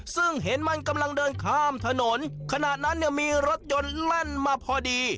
ซึ่งเห็นมันกำลังเดินข้ามถนนขณะนั้นเนี่ยมีรถยนต์แล่นมาพอดี